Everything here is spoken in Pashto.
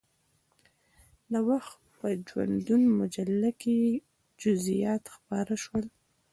د وخت په ژوندون مجله کې یې جزئیات خپاره شول.